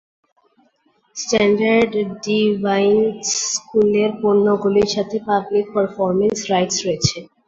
Standard Deviants স্কুলের পণ্যগুলির সাথে পাবলিক পারফরম্যান্স রাইটস রয়েছে।